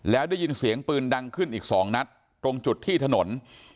แล้วได้ยินเสียงปืนดังขึ้นอีก๒นัดตรงจุดที่ถนน